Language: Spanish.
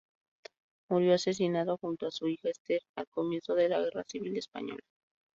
Murió asesinado junto a su hija Esther al comienzo de la Guerra Civil Española.